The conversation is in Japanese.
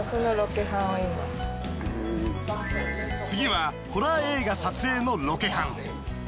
次はホラー映画撮影のロケハン。